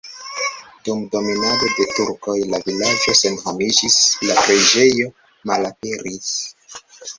Dum dominado de turkoj la vilaĝo senhomiĝis, la preĝejo malaperis.